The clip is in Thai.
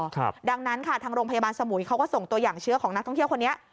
ครับดังนั้นค่ะทางโรงพยาบาลสมุยเขาก็ส่งตัวอย่างเชื้อของนักท่องเที่ยวคนนี้